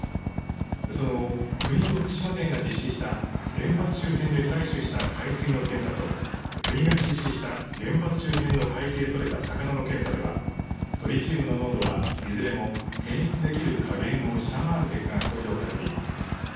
その後、国と福島県が実施した原発周辺で採取した海水の検査と国が実施した原発周辺の海域で取れた魚の検査ではトリチウムの濃度はいずれも検出できる下限を下回る結果が公表されています。